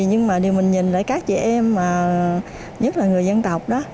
nhưng mà mình nhìn lại các chị em nhất là người dân tộc đó